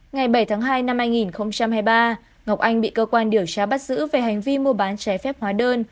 ngày bảy tháng hai năm hai nghìn hai mươi ba ngọc anh bị cơ quan điều tra bắt giữ về hành vi mua bán trái phép hóa đơn